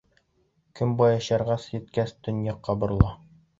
Көнбайыш ярға еткәс, төньяҡҡа борола.